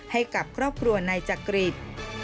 ให้กับครอบครัวนายจักริต